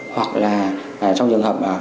hoặc là trong trường hợp